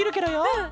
うん。